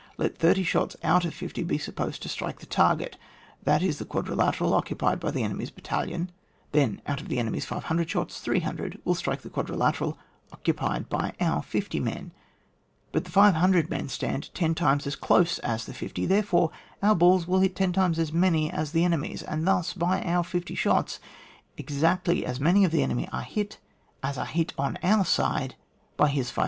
Let 30 shots out of 50 be supposed to strike the target, that is the quadrilateral occupied by the ene my's battalion ; then, out of the enemy's 500 shots 300 will strike the quadri lateral occupied by our fifty men. But the 500 men stand ten times as close as the 50, therefore our balls hit ten times as many as the enemy's, and thus, by our 50 shots, exactly as many of the enemy are hit as are hit on our side by his 500.